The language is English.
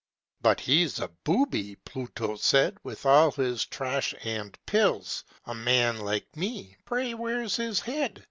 "He's but a booby," Pluto said, "With all his trash and pills! A man like me pray where's his head?